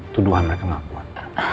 tuduhan mereka gak kuat